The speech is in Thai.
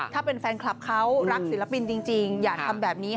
ถ้าเป็นแฟนคลับเขารักศิลปินจริงอย่าทำแบบนี้